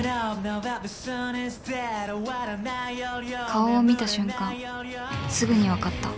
顔を見た瞬間すぐにわかった